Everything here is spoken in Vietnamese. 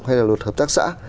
hay là luật hợp tác xã